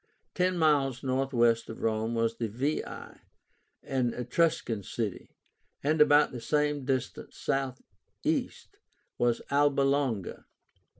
Ten miles northwest of Rome was Veii, an Etruscan city, and about the same distance southeast was Alba Longa.